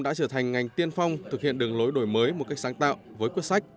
đã trở thành ngành tiên phong thực hiện đường lối đổi mới một cách sáng tạo với quyết sách